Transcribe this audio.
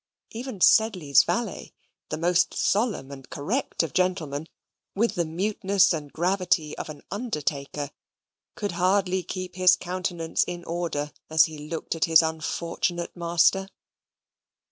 Even Sedley's valet, the most solemn and correct of gentlemen, with the muteness and gravity of an undertaker, could hardly keep his countenance in order, as he looked at his unfortunate master.